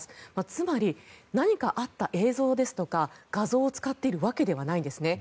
つまり、何かあった映像ですとか画像を使っているわけではないんですね。